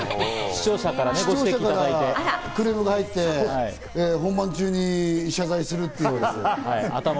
視聴者からクレームが入って、本番中に謝罪するという。